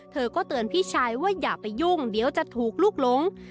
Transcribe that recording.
เธอก็เตือนพี่ชายว่าอย่าไปยุ่งเดี๋ยวจะถูกลูกหลง